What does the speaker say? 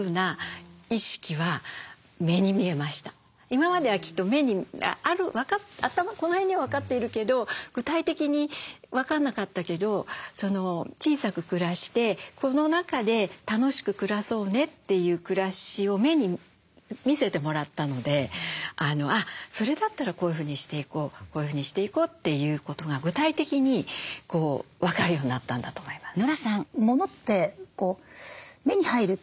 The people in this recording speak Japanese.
今まではきっとこの辺には分かっているけど具体的に分かんなかったけど小さく暮らしてこの中で楽しく暮らそうねという暮らしを目に見せてもらったのであっそれだったらこういうふうにしていこうこういうふうにしていこうということが具体的に分かるようになったんだと思います。